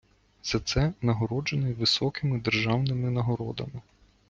За це нагороджений високими державними нагородами.